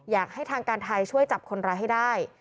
อยากให้ทางการไทยช่วยจับคนร้ายให้ได้